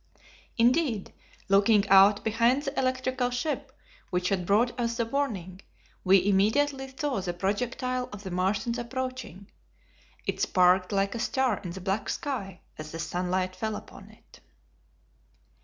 Indeed, looking out behind the electrical ship which had brought us the warning, we immediately saw the projectile of the Martians approaching. It sparkled like a star in the black sky as the sunlight fell upon it.